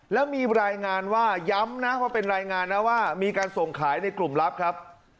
แล้วมีรายงานว่าย้ำนะว่าเป็นรายงานนะว่ามีการส่งขายในกลุ่มลับครับ